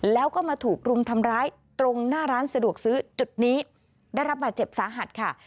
แล้วก็มาถูกรุมทำร้ายตรงหน้าร้านสะดวกซื้อจุดนี้ได้รับบาดเจ็บสาหัสค่ะ